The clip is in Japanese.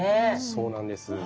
そうなんです。